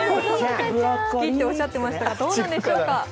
好きっておっしゃっていましたが、どうなんでしょうか。